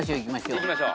いきましょう。